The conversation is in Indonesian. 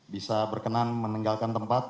bisa berkenan menenggalkan tempat